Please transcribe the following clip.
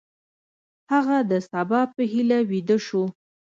هغه د سبا په هیله ویده شو.